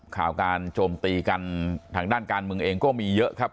ข่าวการโจมตีกันทางด้านการเมืองเองก็มีเยอะครับ